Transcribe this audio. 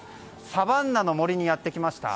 サバンナの森にやってきました。